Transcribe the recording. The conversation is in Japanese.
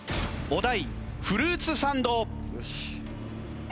お題フルーツサンド。